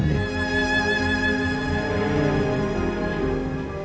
saya pernah kan mempunyai dendam